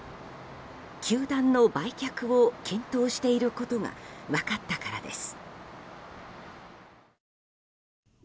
球団の売却を検討していることが分かったからです。